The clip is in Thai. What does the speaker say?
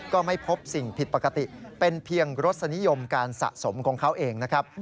ก็ไม่พบสิ่งผิดปกติเป็นเพียงรสนิยมการสะสมของเขาเองนะครับ